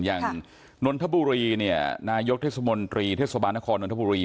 อย่างนทบุรีนายกทะสมนตรีเทศบาลนครนทบุรี